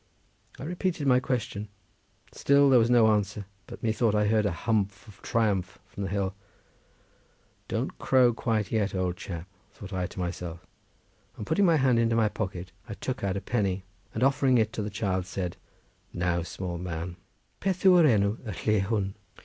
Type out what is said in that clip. I repeated my question; still there was no answer, but methought I heard a humph of triumph from the hill. "Don't crow quite yet, old chap," thought I to myself, and putting my hand into my pocket, I took out a penny; and offering it to the child, said, "Now, small man, Peth wy y enw y lle hwn?"